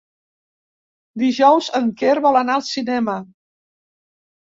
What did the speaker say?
Dijous en Quer vol anar al cinema.